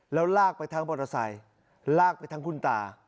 แล้วลากไปทั้งมอเตอร์ไซค์ลากไปทั้งคุณตา